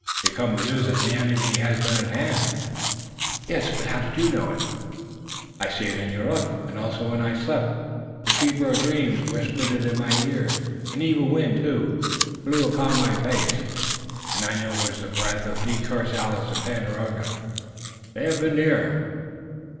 "You come with news that the enemy has been at hand!" "Yes, but how did you know it?" "I see it in your look, and, also when I slept, the Keeper of Dreams whispered it in my ear. An evil wind, too, blew upon my face and I knew it was the breath of De Courcelles and Tandakora. They have been near."